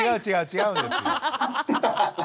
違うんですよ。